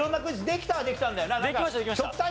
できましたできました。